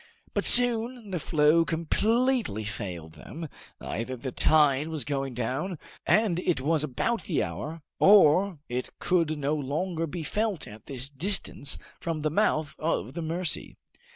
But soon the flow completely failed them, either the tide was going down, and it was about the hour, or it could no longer be felt at this distance from the mouth of the Mercy.